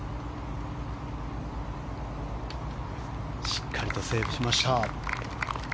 しっかりとセーブしました。